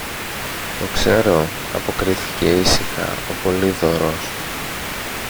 Το ξέρω, αποκρίθηκε ήσυχα ο Πολύδωρος.